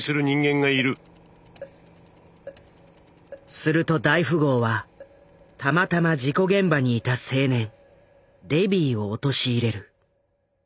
すると大富豪はたまたま事故現場にいた青年デビイを陥れる。